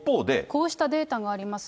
こうしたデータがあります。